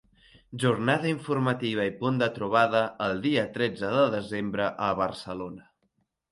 Jornada informativa i punt de trobada el dia tretze de desembre a Barcelona.